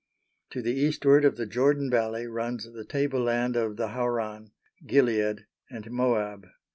To the eastward of the Jordan Valley runs the table land of the Hauran, Gilead, and Moab.